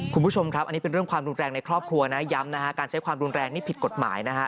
คุณผู้ชมครับอันนี้เป็นเรื่องความรุนแรงในครอบครัวนะย้ำนะฮะการใช้ความรุนแรงนี่ผิดกฎหมายนะฮะ